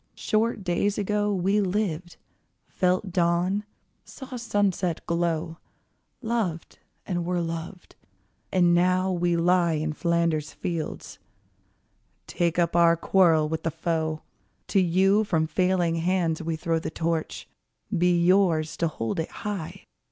Short days ago We lived, felt dawn, saw sunset glow, Loved, and were loved, and now we lie In Flanders fields. Take up our quarrel with the foe: To you from failing hands we throw The Torch: be yours to hold it high!